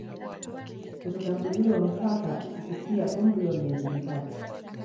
Kutotambuliwa mpaka kufikia umri wa miezi mitatu